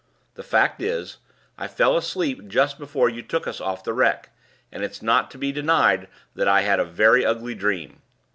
The fact is, I fell asleep just before you took us off the wreck; and it's not to be denied that I had a very ugly dream.